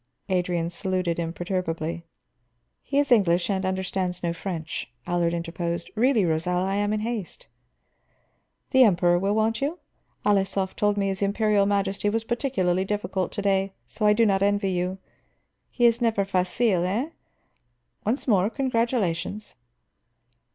Adrian saluted imperturbably. "He is English, he understands no French," Allard interposed. "Really, Rosal, I am in haste." "The Emperor will want you? Alisov told me his Imperial Majesty was particularly difficult to day, so I do not envy you. He is never facile, eh? Once more, congratulations."